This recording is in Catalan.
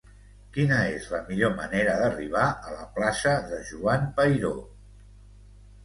Quina és la millor manera d'arribar a la plaça de Joan Peiró?